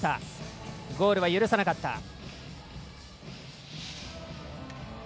ゴールは許さなかった。